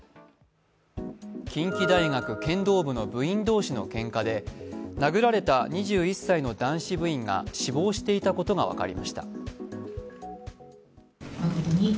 近畿大学剣道部の部員同士のけんかで殴られた２１歳の男子部員が死亡していたことが分かりました。